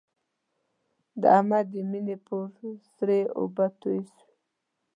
د احمد د مینې پر اور سړې اوبه توی شوې.